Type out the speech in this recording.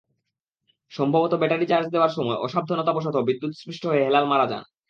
সম্ভবত battery charge দেওয়ার সময় অসাবধানতাবশত বিদ্যুৎস্পৃষ্ট হয়ে হেলাল মারা যান।